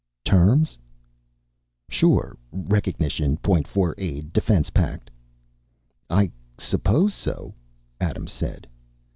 "Terms?" "Sure. Recognition. Point Four Aid. Defense pact." "I suppose so," Adams said.